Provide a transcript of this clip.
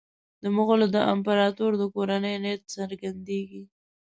د مغولو د امپراطور د کورنۍ نیت څرګندېږي.